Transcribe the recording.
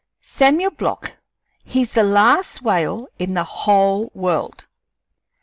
Samuel Block, he's the last whale in the whole world!